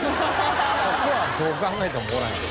そこはどう考えてもおらへんよ。